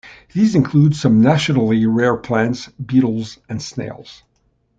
These include some nationally rare plants, beetles and snails.